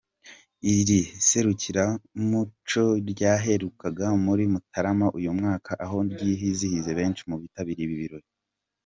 Iri serukiramuco ryaherukaga muri Mutarama uyu mwaka aho ryizihiye benshi mu bitabiriye ibi birori.